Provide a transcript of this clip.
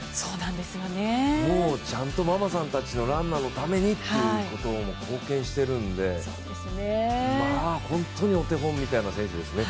もうちゃんとママさんたちの、ランナーのためにって貢献しているんで、本当にお手本みたいな選手ですね。